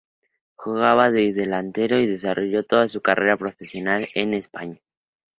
Jugaba de delantero y desarrolló toda su carrera profesional en España.